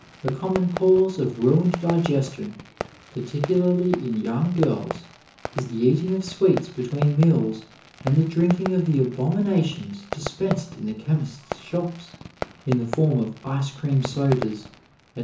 A common cause of ruined digestion, ' particularly in young girls, is the eating of sweets between meals and the drinking of the abominations dispensed in the chemists' shops in the form of ice cream sodas, etc.